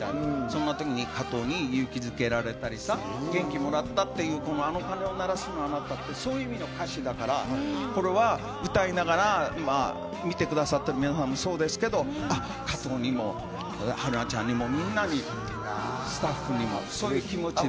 そんな時に加藤に勇気づけられたり、元気もらったって、あなたに会えてよかったって、そういう意味の歌詞だから歌いながら見てくださった方もそうですけど加藤や春菜、みんなにスタッフにもそういう気持ちで。